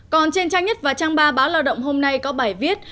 còn trên trang nhất và trang ba báo lao động hôm nay có bài viết